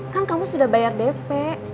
kan kamu sudah bayar dp